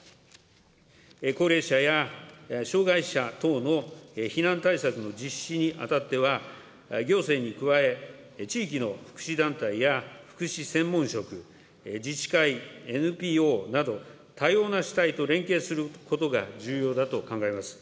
高齢者や障害者等の避難対策の実施にあたっては、行政に加え、地域の福祉団体や福祉専門職、自治会、ＮＰＯなど、多様な主体と連携することが重要だと考えます。